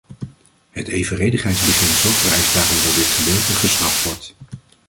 Het evenredigheidsbeginsel vereist daarom dat dit gedeelte geschrapt wordt.